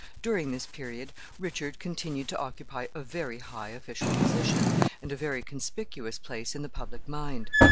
During this period, Richard continued to occupy a very high official position, and a very conspicuous place in the public mind.